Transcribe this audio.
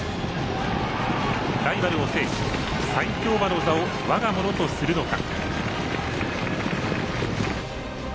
ライバルを制し、最強馬の座をわがものとするのか。